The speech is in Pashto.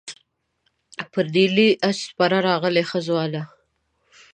پر نیلي آس سپره راغلې ښه ځوانه.